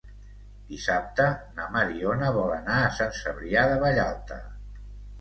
Dissabte na Mariona vol anar a Sant Cebrià de Vallalta.